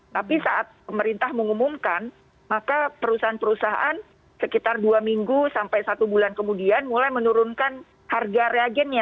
tapi saat pemerintah mengumumkan maka perusahaan perusahaan sekitar dua minggu sampai satu bulan kemudian mulai menurunkan harga reagennya